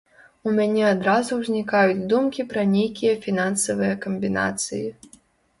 У мяне адразу ўзнікаюць думкі пра нейкія фінансавыя камбінацыі.